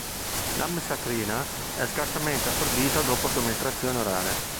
L'amsacrina è scarsamente assorbita dopo somministrazione orale.